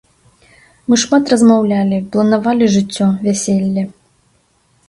Мы шмат размаўлялі, планавалі жыццё, вяселле.